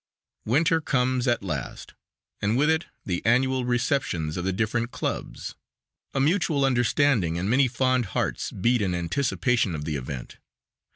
Winter comes at last, and with it the annual receptions of the different clubs. A mutual understanding and many fond hearts beat in anticipation of the event.